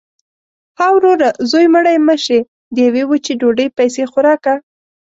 – ها وروره! زوی مړی مه شې. د یوې وچې ډوډۍ پیسې خو راکه.